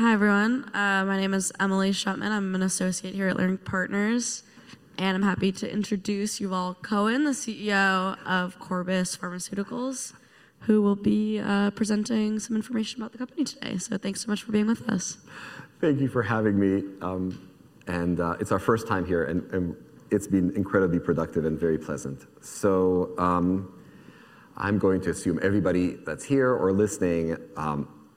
Hi, everyone. My name is Emily Schotman. I'm an associate here at Leerink Partners. I'm happy to introduce Yuval Cohen, the CEO of Corbus Pharmaceuticals, who will be presenting some information about the company today. Thanks so much for being with us. Thank you for having me. It is our first time here. It has been incredibly productive and very pleasant. I am going to assume everybody that is here or listening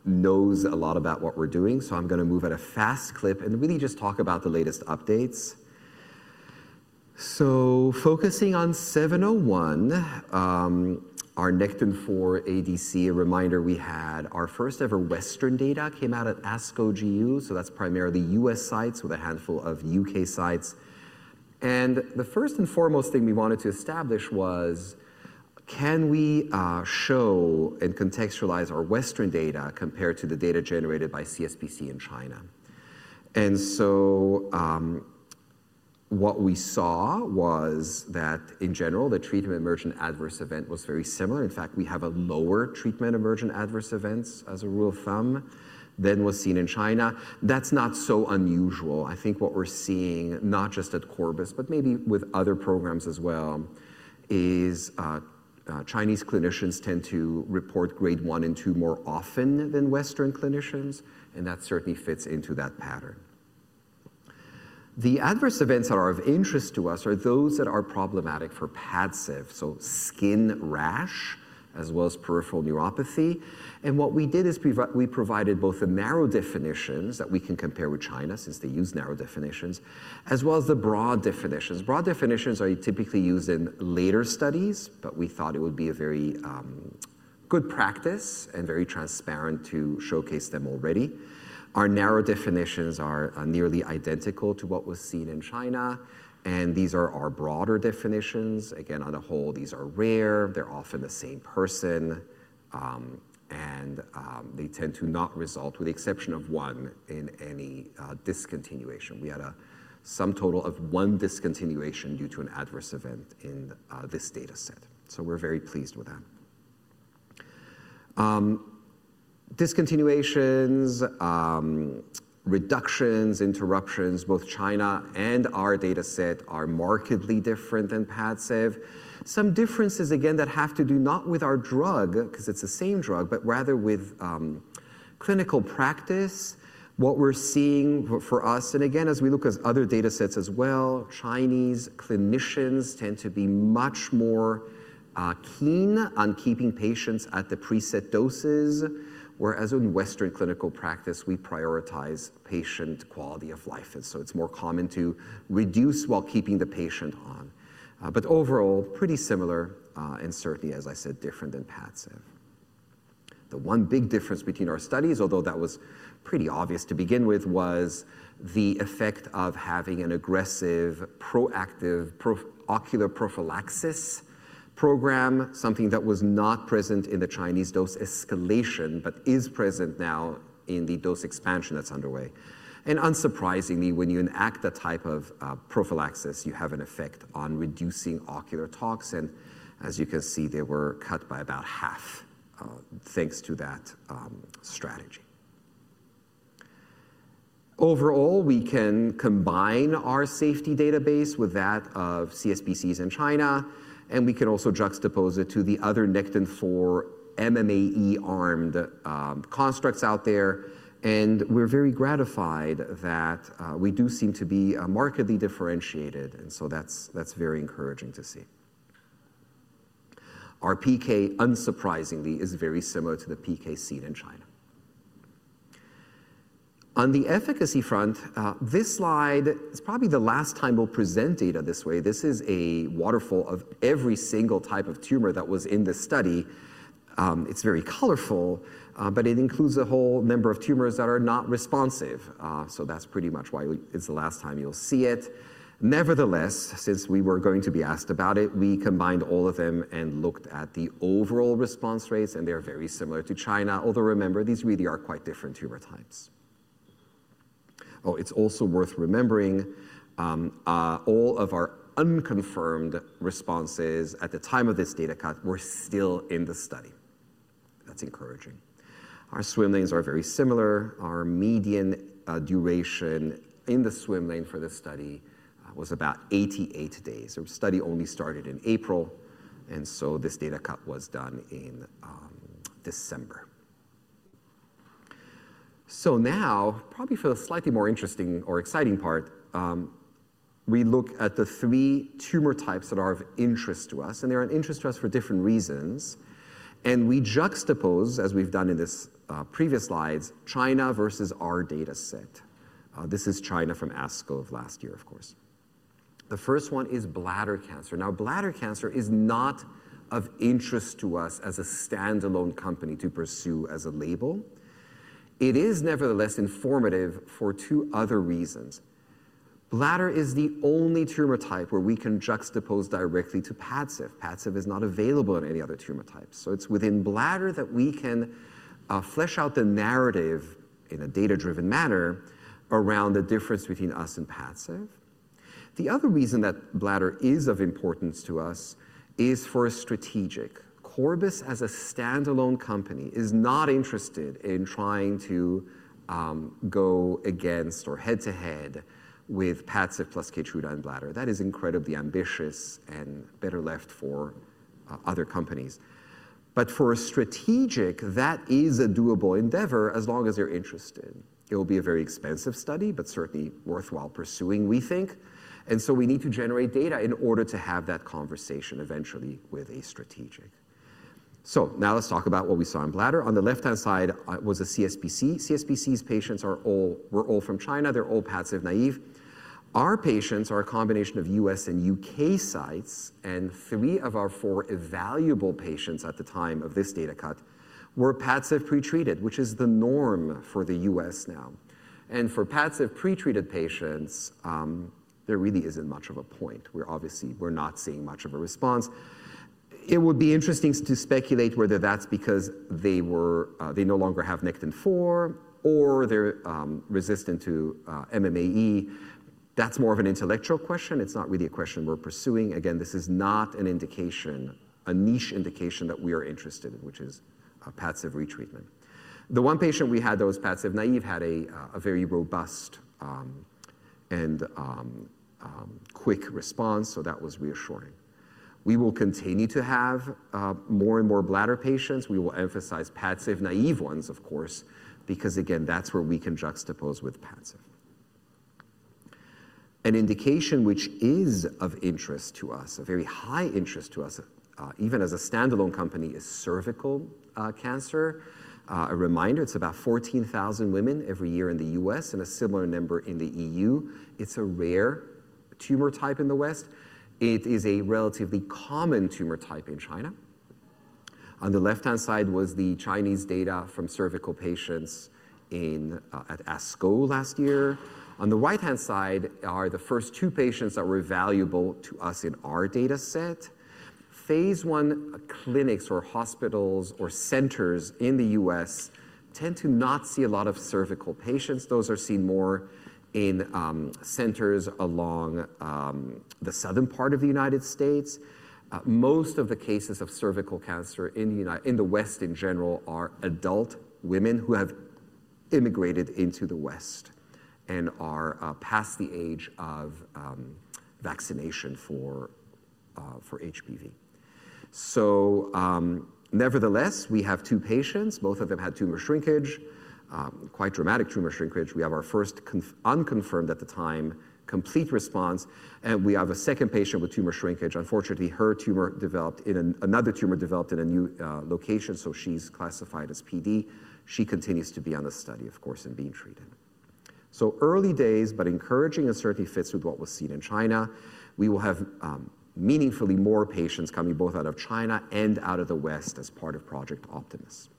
knows a lot about what we are doing. I am going to move at a fast clip and really just talk about the latest updates. Focusing on 701, our Nectin-4 ADC, a reminder we had our first ever Western data come out at ASCO GU. That is primarily U.S. sites with a handful of U.K. sites. The first and foremost thing we wanted to establish was, can we show and contextualize our Western data compared to the data generated by CSPC in China? What we saw was that, in general, the treatment emergent adverse event was very similar. In fact, we have a lower treatment emergent adverse events, as a rule of thumb, than was seen in China. That's not so unusual. I think what we're seeing, not just at Corbus, but maybe with other programs as well, is Chinese clinicians tend to report grade 1 and 2 more often than Western clinicians. That certainly fits into that pattern. The adverse events that are of interest to us are those that are problematic for Padcev, so skin rash, as well as peripheral neuropathy. What we did is we provided both the narrow definitions that we can compare with China, since they use narrow definitions, as well as the broad definitions. Broad definitions are typically used in later studies. We thought it would be a very good practice and very transparent to showcase them already. Our narrow definitions are nearly identical to what was seen in China. These are our broader definitions. Again, on the whole, these are rare. They're often the same person. They tend to not result, with the exception of one, in any discontinuation. We had a sum total of one discontinuation due to an adverse event in this data set. We're very pleased with that. Discontinuations, reductions, interruptions, both China and our data set are markedly different than Padcev. Some differences, again, that have to do not with our drug, because it's the same drug, but rather with clinical practice. What we're seeing for us, and again, as we look at other data sets as well, Chinese clinicians tend to be much more keen on keeping patients at the preset doses, whereas in Western clinical practice, we prioritize patient quality of life. It is more common to reduce while keeping the patient on. Overall, pretty similar, and certainly, as I said, different than Padcev. The one big difference between our studies, although that was pretty obvious to begin with, was the effect of having an aggressive, proactive, ocular prophylaxis program, something that was not present in the Chinese dose escalation, but is present now in the dose expansion that is underway. Unsurprisingly, when you enact that type of prophylaxis, you have an effect on reducing ocular toxicity. As you can see, they were cut by about half thanks to that strategy. Overall, we can combine our safety database with that of CSPC in China. We can also juxtapose it to the other Nectin-4 MMAE-armed constructs out there. We are very gratified that we do seem to be markedly differentiated. That is very encouraging to see. Our PK, unsurprisingly, is very similar to the PK seen in China. On the efficacy front, this slide is probably the last time we'll present data this way. This is a waterfall of every single type of tumor that was in the study. It's very colorful. It includes a whole number of tumors that are not responsive. That's pretty much why it's the last time you'll see it. Nevertheless, since we were going to be asked about it, we combined all of them and looked at the overall response rates. They're very similar to China. Although, remember, these really are quite different tumor types. Oh, it's also worth remembering all of our unconfirmed responses at the time of this data cut were still in the study. That's encouraging. Our swim lanes are very similar. Our median duration in the swim lane for this study was about 88 days. Our study only started in April. This data cut was done in December. Now, probably for the slightly more interesting or exciting part, we look at the three tumor types that are of interest to us. They are of interest to us for different reasons. We juxtapose, as we have done in these previous slides, China versus our data set. This is China from ASCO of last year, of course. The first one is bladder cancer. Now, bladder cancer is not of interest to us as a standalone company to pursue as a label. It is, nevertheless, informative for two other reasons. Bladder is the only tumor type where we can juxtapose directly to Padcev. Padcev is not available in any other tumor types. It's within bladder that we can flesh out the narrative in a data-driven manner around the difference between us and Padcev. The other reason that bladder is of importance to us is for a strategic. Corbus, as a standalone company, is not interested in trying to go against or head-to-head with Padcev plus Keytruda in bladder. That is incredibly ambitious and better left for other companies. For a strategic, that is a doable endeavor as long as they're interested. It will be a very expensive study, but certainly worthwhile pursuing, we think. We need to generate data in order to have that conversation eventually with a strategic. Now let's talk about what we saw in bladder. On the left-hand side was a CSPC. CSPC's patients were all from China. They're all Padcev naive. Our patients are a combination of U.S. and U.K. sites. Three of our four evaluable patients at the time of this data cut were Padcev pretreated, which is the norm for the US now. For Padcev pretreated patients, there really isn't much of a point. We're obviously not seeing much of a response. It would be interesting to speculate whether that's because they no longer have Nectin-4 or they're resistant to MMAE. That's more of an intellectual question. It's not really a question we're pursuing. Again, this is not a niche indication that we are interested in, which is Padcev retreatment. The one patient we had that was Padcev naive had a very robust and quick response. That was reassuring. We will continue to have more and more bladder patients. We will emphasize Padcev naive ones, of course, because, again, that's where we can juxtapose with Padcev. An indication which is of interest to us, of very high interest to us, even as a standalone company, is cervical cancer. A reminder, it's about 14,000 women every year in the U.S. and a similar number in the EU. It's a rare tumor type in the West. It is a relatively common tumor type in China. On the left-hand side was the Chinese data from cervical patients at ASCO last year. On the right-hand side are the first two patients that were valuable to us in our data set. Phase I clinics or hospitals or centers in the U.S. tend to not see a lot of cervical patients. Those are seen more in centers along the southern part of the United States. Most of the cases of cervical cancer in the West, in general, are adult women who have immigrated into the West and are past the age of vaccination for HPV. Nevertheless, we have two patients. Both of them had tumor shrinkage, quite dramatic tumor shrinkage. We have our first unconfirmed at the time complete response. We have a second patient with tumor shrinkage. Unfortunately, her tumor developed in another tumor developed in a new location. She is classified as PD. She continues to be on the study, of course, and being treated. Early days, but encouraging and certainly fits with what was seen in China. We will have meaningfully more patients coming both out of China and out of the West as part of Project Optimus.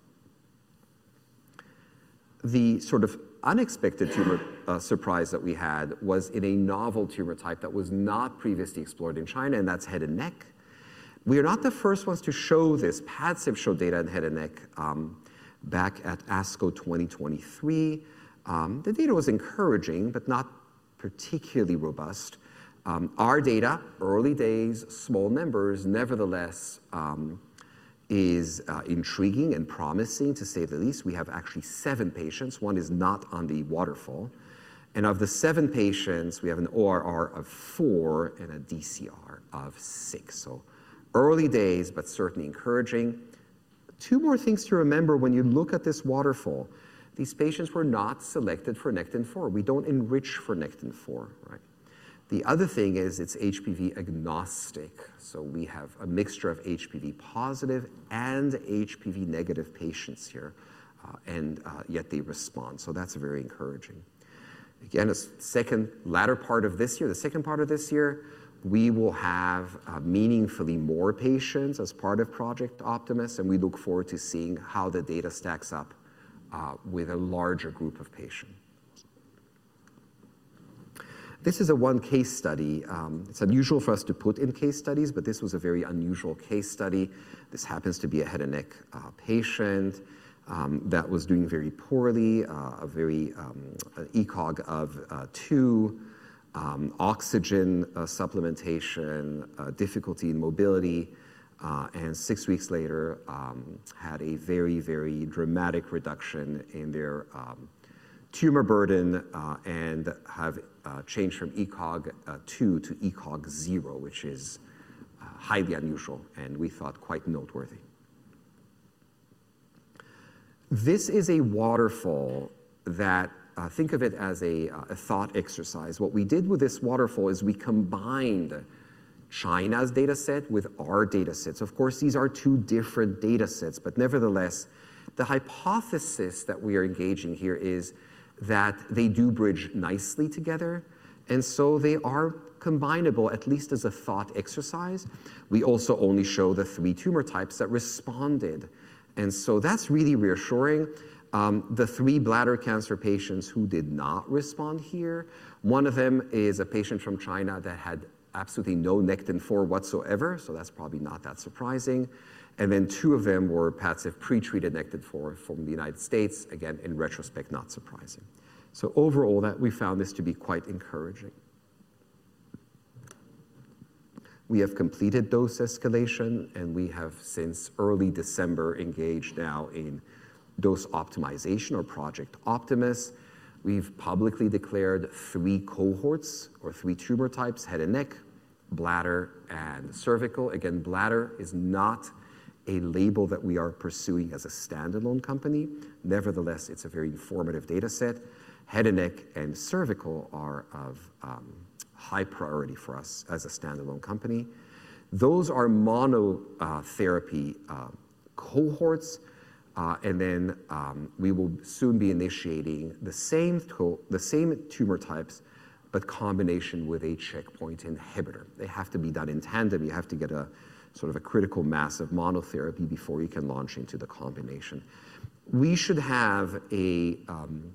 The sort of unexpected tumor surprise that we had was in a novel tumor type that was not previously explored in China. That is head and neck. We are not the first ones to show this. Padcev showed data in head and neck back at ASCO 2023. The data was encouraging, but not particularly robust. Our data, early days, small numbers, nevertheless, is intriguing and promising, to say the least. We have actually seven patients. One is not on the waterfall. Of the seven patients, we have an ORR of 4 and a DCR of 6. Early days, but certainly encouraging. Two more things to remember when you look at this waterfall. These patients were not selected for Nectin-4. We do not enrich for Nectin-4. The other thing is it is HPV agnostic. We have a mixture of HPV positive and HPV negative patients here. Yet they respond. That is very encouraging. Again, the second latter part of this year, the second part of this year, we will have meaningfully more patients as part of Project Optimus. We look forward to seeing how the data stacks up with a larger group of patients. This is a one case study. It is unusual for us to put in case studies. This was a very unusual case study. This happens to be a head and neck patient that was doing very poorly, an ECOG of 2, oxygen supplementation, difficulty in mobility. Six weeks later, had a very, very dramatic reduction in their tumor burden and have changed from ECOG 2 to ECOG 0, which is highly unusual and we thought quite noteworthy. This is a waterfall that, think of it as a thought exercise. What we did with this waterfall is we combined China's data set with our data sets. Of course, these are two different data sets. Nevertheless, the hypothesis that we are engaging here is that they do bridge nicely together. They are combinable, at least as a thought exercise. We also only show the three tumor types that responded. That is really reassuring. The three bladder cancer patients who did not respond here, one of them is a patient from China that had absolutely no Nectin-4 whatsoever. That is probably not that surprising. Two of them were Padcev pretreated Nectin-4 from the United States. Again, in retrospect, not surprising. Overall, we found this to be quite encouraging. We have completed dose escalation. We have, since early December, engaged now in dose optimization or Project Optimus. We've publicly declared three cohorts or three tumor types: head and neck, bladder, and cervical. Again, bladder is not a label that we are pursuing as a standalone company. Nevertheless, it's a very informative data set. Head and neck and cervical are of high priority for us as a standalone company. Those are monotherapy cohorts. We will soon be initiating the same tumor types, but combination with a checkpoint inhibitor. They have to be done in tandem. You have to get a sort of a critical mass of monotherapy before you can launch into the combination. We should have an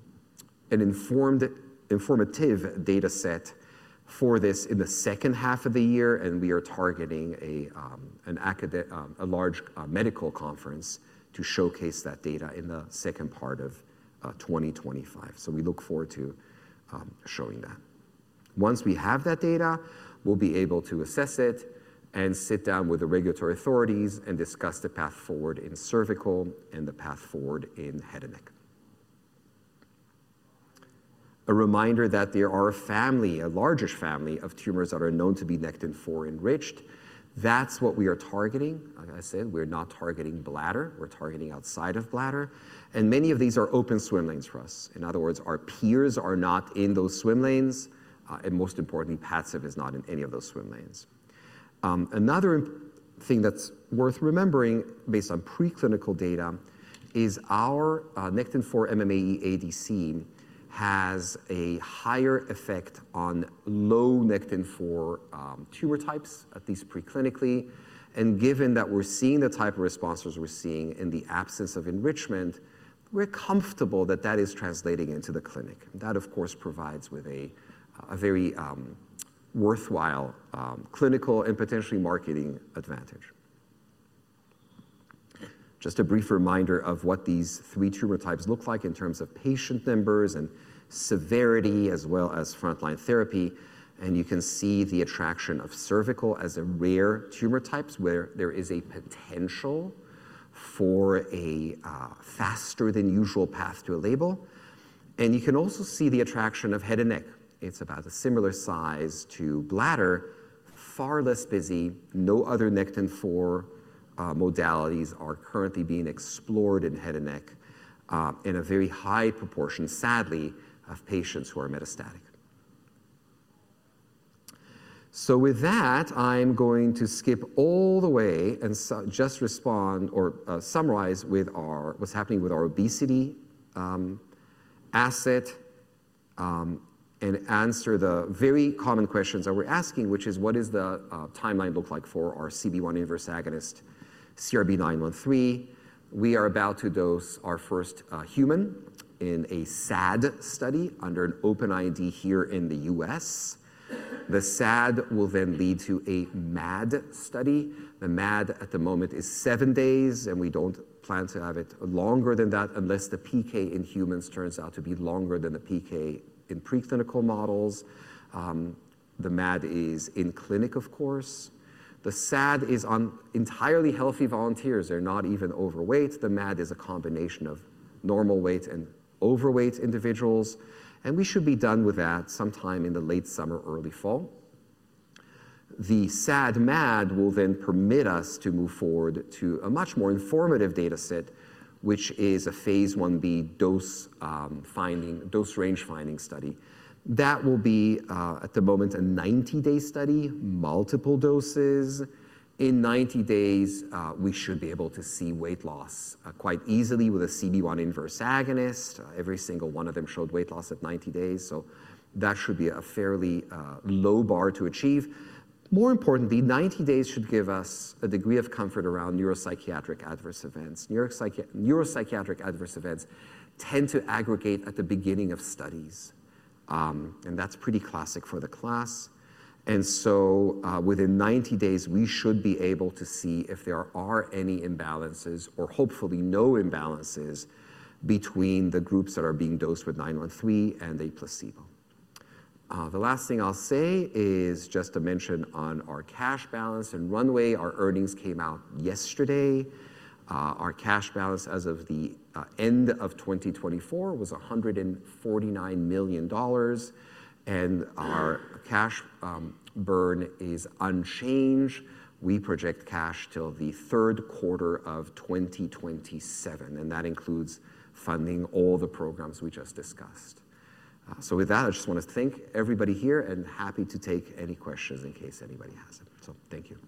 informative data set for this in the second half of the year. We are targeting a large medical conference to showcase that data in the second part of 2025. We look forward to showing that. Once we have that data, we'll be able to assess it and sit down with the regulatory authorities and discuss the path forward in cervical and the path forward in head and neck. A reminder that there are a family, a largish family of tumors that are known to be Nectin-4 enriched. That's what we are targeting. Like I said, we're not targeting bladder. We're targeting outside of bladder. Many of these are open swim lanes for us. In other words, our peers are not in those swim lanes. Most importantly, Padcev is not in any of those swim lanes. Another thing that's worth remembering based on preclinical data is our Nectin-4 MMAE ADC has a higher effect on low Nectin-4 tumor types, at least preclinically. Given that we're seeing the type of responses we're seeing in the absence of enrichment, we're comfortable that that is translating into the clinic. That, of course, provides a very worthwhile clinical and potentially marketing advantage. Just a brief reminder of what these three tumor types look like in terms of patient numbers and severity, as well as frontline therapy. You can see the attraction of cervical as a rare tumor type where there is a potential for a faster-than-usual path to a label. You can also see the attraction of head and neck. It's about the similar size to bladder, far less busy. No other Nectin-4 modalities are currently being explored in head and neck in a very high proportion, sadly, of patients who are metastatic. With that, I'm going to skip all the way and just respond or summarize what's happening with our obesity asset and answer the very common questions that we're asking, which is, what does the timeline look like for our CB1 inverse agonist CRB-913? We are about to dose our first human in a SAD study under an open IND here in the U.S. The SAD will then lead to a MAD study. The MAD, at the moment, is seven days. We don't plan to have it longer than that unless the PK in humans turns out to be longer than the PK in preclinical models. The MAD is in clinic, of course. The SAD is on entirely healthy volunteers. They're not even overweight. The MAD is a combination of normal weight and overweight individuals. We should be done with that sometime in the late summer, early fall. The SAD/MAD will then permit us to move forward to a much more informative data set, which is a Phase 1b dose range finding study. That will be, at the moment, a 90-day study, multiple doses. In 90 days, we should be able to see weight loss quite easily with a CB1 inverse agonist. Every single one of them showed weight loss at 90 days. That should be a fairly low bar to achieve. More importantly, 90 days should give us a degree of comfort around neuropsychiatric adverse events. Neuropsychiatric adverse events tend to aggregate at the beginning of studies. That is pretty classic for the class. Within 90 days, we should be able to see if there are any imbalances or hopefully no imbalances between the groups that are being dosed with 913 and the placebo. The last thing I'll say is just to mention on our cash balance and runway. Our earnings came out yesterday. Our cash balance as of the end of 2024 was $149 million. Our cash burn is unchanged. We project cash till the third quarter of 2027. That includes funding all the programs we just discussed. With that, I just want to thank everybody here and happy to take any questions in case anybody has them. Thank you.